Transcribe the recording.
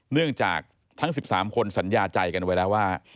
เนื่องจากทั้ง๑๓คนสัญญาใจกันไว้แล้วว่า